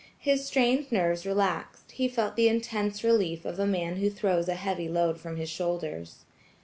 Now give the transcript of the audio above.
His strained nerves relaxed; he felt the intense relief of a man who throws a heavy load from his shoulders.